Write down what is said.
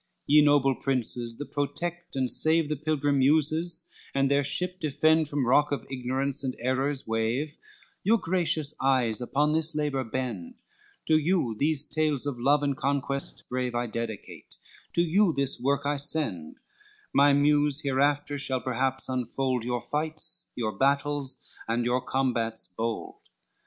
IV Ye noble Princes, that protect and save The Pilgrim Muses, and their ship defend From rock of Ignorance and Error's wave, Your gracious eyes upon this labor bend: To you these tales of love and conquest brave I dedicate, to you this work I send: My Muse hereafter shall perhaps unfold Your fights, your battles, and your combats bold.